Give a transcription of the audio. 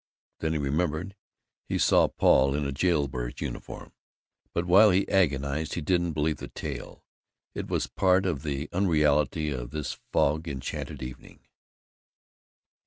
Then he remembered. He saw Paul in a jailbird's uniform, but while he agonized he didn't believe the tale. It was part of the unreality of this fog enchanted evening.